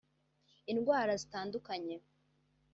indwara zitandukanye